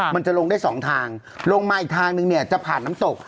มันจะลงได้สองทางลงมาอีกทางนึงเนี่ยจะผ่านน้ำตก